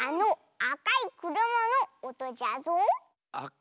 あ。